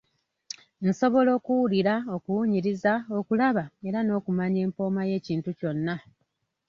Nsobola okuwulira, okuwunyiriza, okulaba era n'okumanya empooma y'ekintu kyonna.